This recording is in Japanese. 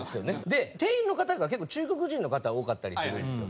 で店員の方が結構中国人の方多かったりするんですよ。